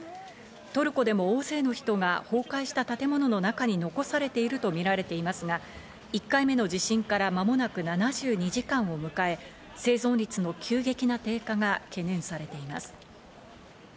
トルコでも大勢の人が崩壊した建物の中に残されていると見られますが、１回目の地震からまもなく７２時間を迎え、生存率の急激な低下が懸念されています。